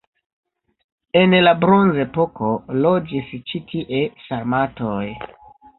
En la bronzepoko loĝis ĉi tie sarmatoj.